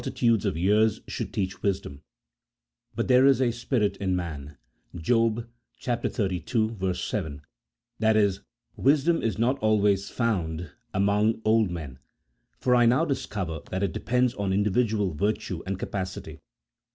tildes of years should teach wisdom ; but there is a spirit in man," Job xxxii. 7 ; i.e. wisdom is not always found among old men, for I now discover that it depends on individual virtue and capacity.